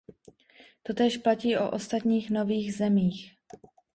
Totéž platí o ostatních nových zemích.